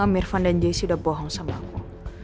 mirvan dan jessi sudah bohong sama aku